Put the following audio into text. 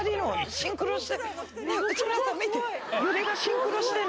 シンクロしてる！